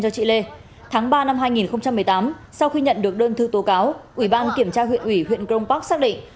sau khi nhận được đơn thư tố cáo ủy ban kiểm tra huyện ủy huyện grong park xác định